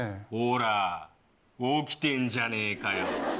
ほら起きてんじゃねえかよ。